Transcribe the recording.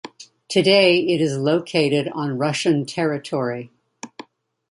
Today it is located on Russian territory.